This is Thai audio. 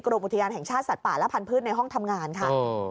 อุทยานแห่งชาติสัตว์ป่าและพันธุ์ในห้องทำงานค่ะ